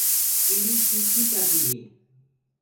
چِڙي چيٚنٚچيٚڪردي هي۔